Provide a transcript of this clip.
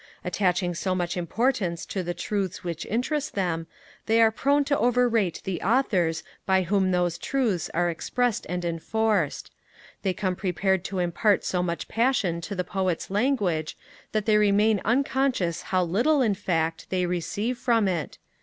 Attaching so much importance to the truths which interest them, they are prone to overrate the Authors by whom those truths are expressed and enforced. They come prepared to impart so much passion to the Poet's language, that they remain unconscious how little, in fact, they receive from it.